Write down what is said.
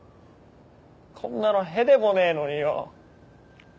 こんなの屁でもねえのによ。